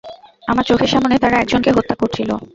আমার চোখের সামনে তারা একজনকে হত্যা করছিলো।